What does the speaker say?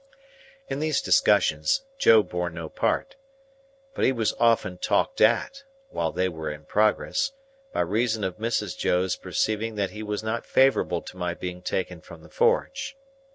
In these discussions, Joe bore no part. But he was often talked at, while they were in progress, by reason of Mrs. Joe's perceiving that he was not favourable to my being taken from the forge.